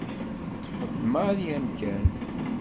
Teṭṭef-d Mari amkan.